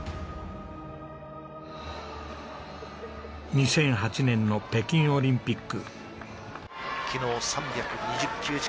２００８年の北京オリンピック。